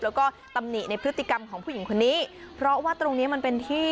แล้วก็ตำหนิในพฤติกรรมของผู้หญิงคนนี้เพราะว่าตรงเนี้ยมันเป็นที่